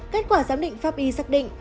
kết quả giám định pháp y xác định